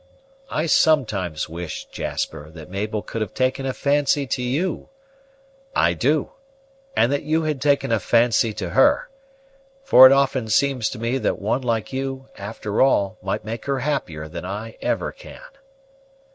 I sometimes wish, Jasper, that Mabel could have taken a fancy to you, I do; and that you had taken a fancy to her; for it often seems to me that one like you, after all, might make her happier than I ever can."